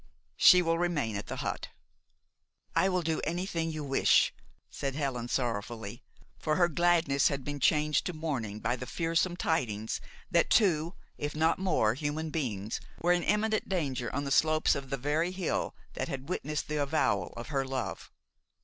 "She will remain at the hut." "I will do anything you wish," said Helen sorrowfully, for her gladness had been changed to mourning by the fearsome tidings that two, if not more, human beings were in imminent danger on the slopes of the very hill that had witnessed the avowal of her love.